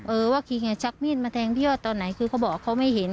เออว่าคิงชักมีดมาแทงพี่ยอดตอนไหนคือเขาบอกเขาไม่เห็น